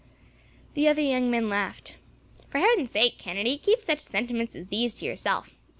The other young men laughed. "For heaven's sake, Kennedy, keep such sentiments as these to yourself.